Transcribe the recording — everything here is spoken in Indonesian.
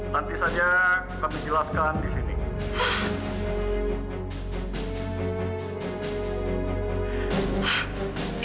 nanti saja kami jelaskan di sini